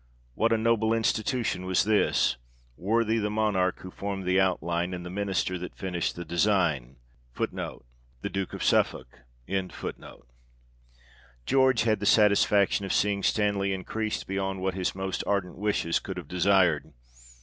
What a noble institution was this ! Worthy the Monarch who formed the outline, and the Minister that finished the design. 4 George had the satisfaction of seeing Stanley increased beyond what his most ardent wishes could have desired.